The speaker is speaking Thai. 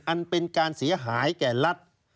อันเป็นการเสียหายแก่รัฐ